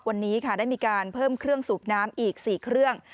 วันนี้ค่ะได้มีการเพิ่มเครื่องสูบน้ำอีก๔เครื่อง